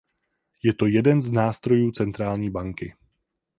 Je to jeden z nástrojů centrální banky.